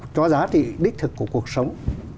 cho giá trị đích thực của cuộc sống